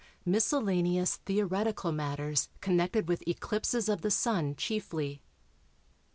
MISCELLANEOUS THEORETICAL MATTERS CONNECTED WITH ECLIPSES OF THE SUN (CHIEFLY).